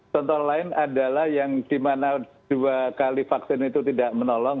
contoh lain adalah yang dimana dua kali vaksin itu tidak menolong